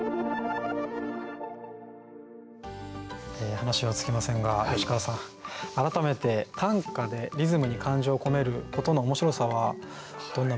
話は尽きませんが吉川さん改めて短歌でリズムに感情を込めることの面白さはどんな部分でしょうか？